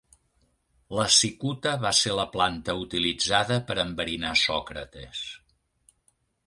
La cicuta va ser la planta utilitzada per enverinar Sòcrates.